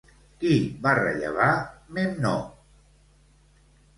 Qui va rellevar Memnó?